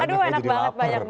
aduh anak banget banyak